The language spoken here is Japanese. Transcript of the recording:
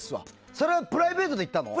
それはプライベートで行ったの？